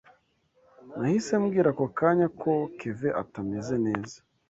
Nahise mbwira ako kanya ko Kevin atameze neza.